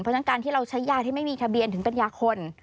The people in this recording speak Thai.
เพราะฉะนั้นการที่เราใช้ยาที่ไม่มีทะเบียนถึงเป็นยาคน